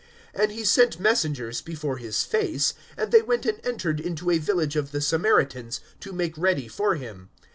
(52)And he sent messengers before his face; and they went and entered into a village of the Samaritans, to make ready for him.